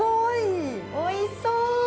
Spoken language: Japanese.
おいしそう！